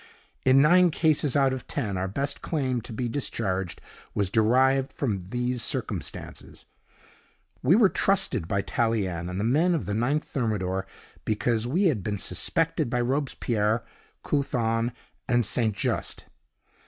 In nine cases out of ten, our best claim to be discharged was derived from these circumstances. We were trusted by Tallien and the men of the Ninth Thermidor, because we had been suspected by Robespierre, Couthon, and St. Just.